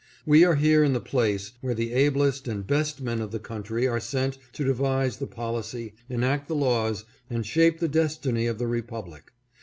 We are here in the place where the ablest and best men of the country are sent to devise the policy, enact the laws, and shape the destiny of the Republic.